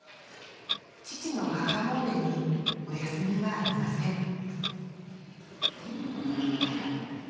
父の母もうでにお休みはありません。